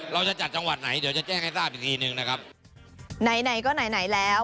เราจะจัดจังหวัดไหนเดี๋ยวจะแจ้งให้ทราบอีกทีหนึ่งนะครับไหนไหนก็ไหนไหนแล้ว